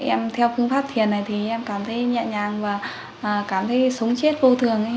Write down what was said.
em theo phương pháp thiền này thì em cảm thấy nhẹ nhàng và cảm thấy sống chết vô thường